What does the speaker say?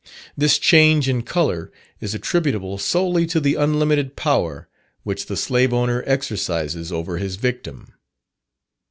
This change in colour, is attributable, solely to the unlimited power which the slave owner exercises over his victim.